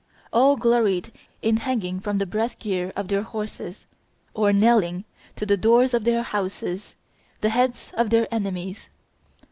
All gloried in hanging from the breast gear of their horses, or nailing to the doors of their houses, the heads of their enemies.